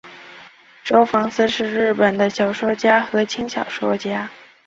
周防司是日本的小说家和轻小说作家。